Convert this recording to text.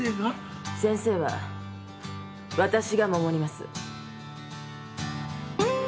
先生はわたしが守ります。